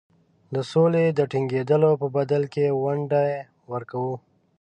د سولي د ټینګېدلو په بدل کې ونډې ورکوو.